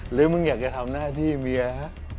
มึงอยากจะทำหน้าที่เมียฮะ